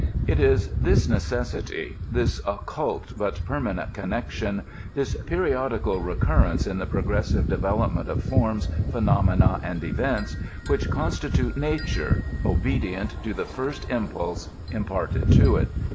It is this necessity, this occult but permanent connection, thi^ periodical recurrence in the progressive development of forms, phenomena, and events, which constitute nature^ obe dient to the first impulse imparted to it.